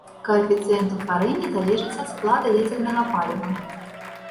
Каэфіцыент утварэння залежыць ад склада ядзернага паліва.